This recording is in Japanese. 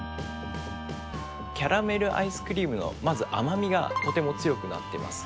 キャラメルアイスクリームの甘味がとても強くなってます。